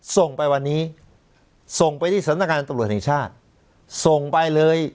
ส่งไปวันนี้ส่งไปที่สำนักงานตำรวจแห่งชาติส่งไปเลย